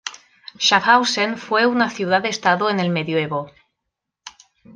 Schaffhausen fue una ciudad-estado en el Medioevo.